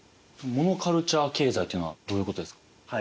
モノカルチャー経済っていうのはどういうことですか？